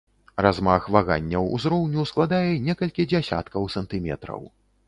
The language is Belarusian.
Размах ваганняў узроўню складае некалькі дзясяткаў сантыметраў.